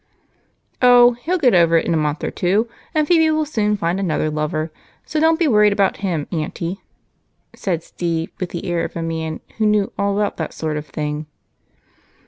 "Oh, he'll get over it in a month or two, and Phebe will soon find another lover, so don't be worried about him, Aunty," said Steve, with the air of a man who knew all about that sort of thing.